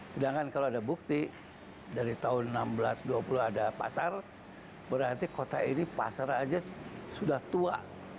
sedangkan kalau ada bukti dari tahun seribu enam ratus dua puluh ada pasar berarti kota ini pasar aja sudah tua